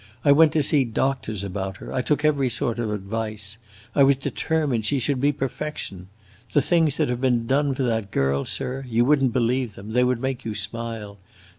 I went to see doctors about her, I took every sort of advice. I was determined she should be perfection. The things that have been done for that girl, sir you would n't believe them; they would make you smile!